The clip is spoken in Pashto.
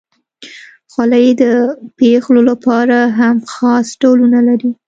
خولۍ د پیغلو لپاره هم خاص ډولونه لري.